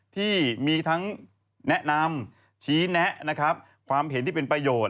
ที่มีทั้งแนะนำชี้แนะนะครับความเห็นที่เป็นประโยชน์